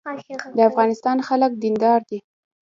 د افغانستان خلک دیندار دي